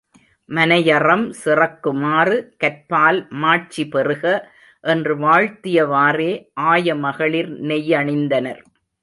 மனையறம் சிறக்குமாறு கற்பால் மாட்சி பெறுக என்று வாழ்த்தியவாறே ஆயமகளிர் நெய்யணிந்தனர்.